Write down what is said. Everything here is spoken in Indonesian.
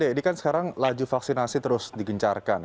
pak edy ini kan sekarang laju vaksinasi terus digencarkan